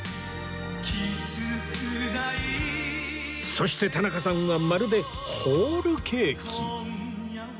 そして田中さんはまるでホールケーキ